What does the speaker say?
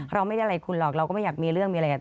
เราไม่ได้อะไรคุณหรอกเราก็ไม่อยากมีเรื่องมีอะไรกับ